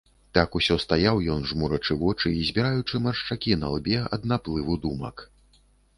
Так усё стаяў ён, жмурачы вочы і збіраючы маршчакі на лбе ад наплыву думак.